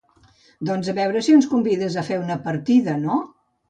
Doncs a veure si ens convides a fer una partida, no?